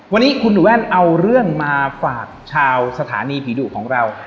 วันนี้คุณหนูแว่นเอาเรื่องมาฝากชาวสถานีผีดุของเรา